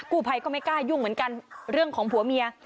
ผู้ภัยก็ไม่กล้ายุ่งเหมือนกันเรื่องของผัวเมีย